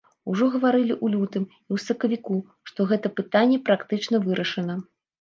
Ужо гаварылі ў лютым і ў сакавіку, што гэта пытанне практычна вырашана.